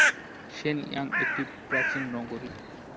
শেন-ইয়াং একটি প্রাচীন নগরী।